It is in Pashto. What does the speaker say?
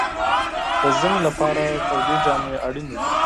د ژمي لپاره تودې جامې اړینې دي.